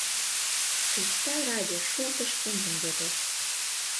Христа ради шултыш киндым йодеш..